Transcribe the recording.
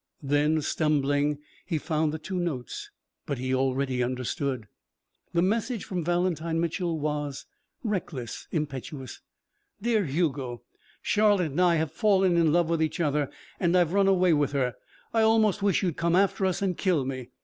Then, stumbling, he found the two notes. But he already understood. The message from Valentine Mitchel was reckless, impetuous. "Dear Hugo Charlotte and I have fallen in love with each other and I've run away with her. I almost wish you'd come after us and kill me.